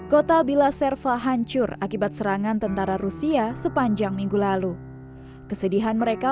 kota bila serva hancur akibat serangan tentara rusia sepanjang minggu lalu kesedihan mereka